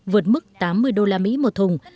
vượt mức tám mươi usd một thùng